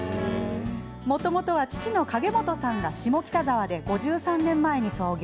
もともとは父の景源さんが下北沢で５３年前に創業。